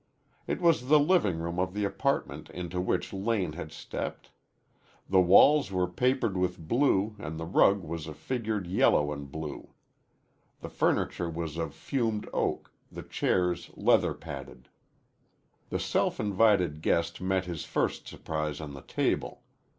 It was the living room of the apartment into which Lane had stepped. The walls were papered with blue and the rug was a figured yellow and blue. The furniture was of fumed oak, the chairs leather padded. The self invited guest met his first surprise on the table.